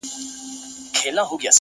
چي پکي روح نُور سي’ چي پکي وژاړي ډېر’